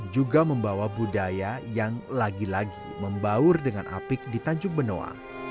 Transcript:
juga membawa budaya yang lagi lagi membaur dengan apik di tanjung benoa